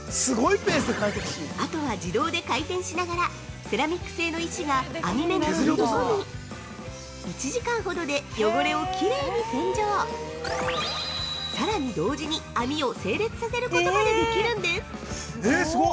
あとは自動で回転しながらセラミック製の石が網目に入り込み１時間ほどで、汚れをきれいに洗浄さらに同時に、網を整列させることまでできるんです。